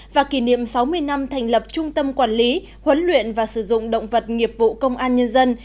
và kỷ niệm sáu mươi năm thành lập trung tâm quản lý huấn luyện và sử dụng động vật nghiệp vụ công an nhân dân